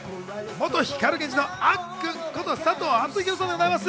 元光ＧＥＮＪＩの、あっくんこと、佐藤アツヒロさんでございます。